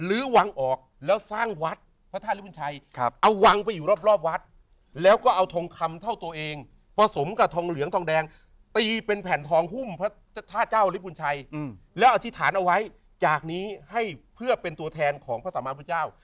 อืมแล้วอธิษฐานเอาไว้จากนี้ให้เพื่อเป็นตัวแทนของพระสามาพุทธเจ้า